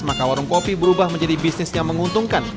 maka warung kopi berubah menjadi bisnis yang menguntungkan